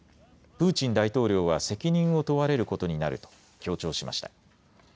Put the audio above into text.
プーチン大統領は責任を問われることになると強調しました。